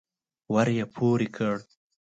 ور يې پورې کړ.